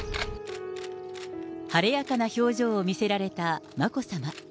晴れやかな表情を見せられた眞子さま。